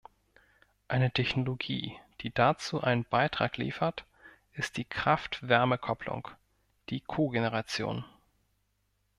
Eine Technologie, die dazu einen Beitrag liefert, ist die Kraft-Wärme-Kopplung, die cogeneration .